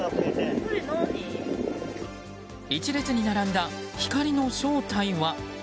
一列に並んだ光の正体は？